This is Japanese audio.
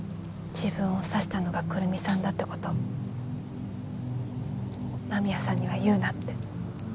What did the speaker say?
自分を刺したのが来美さんだってこと間宮さんには言うなって。